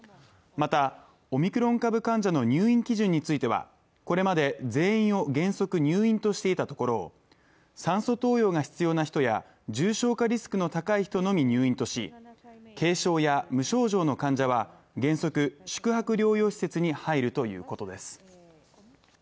また、オミクロン株患者の入院基準については原則入院としていたところを酸素投与が必要な人や重症化リスクの高い人のみ入院とし、軽症や無症状の患者は原則宿泊療養施設に入るということです。